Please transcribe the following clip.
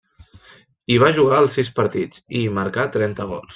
Hi va jugar els sis partits, i hi marcà trenta gols.